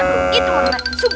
gitu aduh aduh